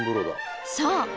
そう。